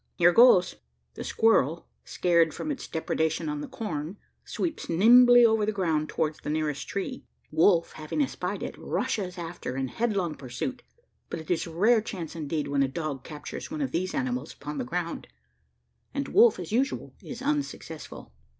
Here goes!" The squirrel, scared from its depredation on the corn, sweeps nimbly over the ground towards the nearest tree. Wolf having espied it, rushes after in headlong pursuit. But it is a rare chance indeed when a dog captures one of these animals upon the ground; and Wolf, as usual, is unsuccessful.